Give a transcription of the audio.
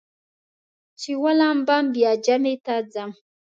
چې ولامبم بیا جمعې ته ځم.